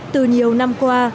từ nhiều năm qua